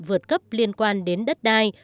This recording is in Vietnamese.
vượt cấp liên quan đến đất đai